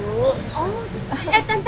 kalau gitu saya duluan ya bu